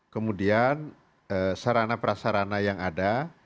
kemudian sarana prasarana yang ada